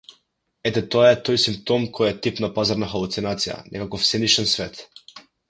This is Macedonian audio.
Ете тоа е тој симптом кој е тип на пазарна халуцинација, некаков сенишен свет.